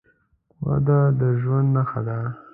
وده د ژوند نښه ده.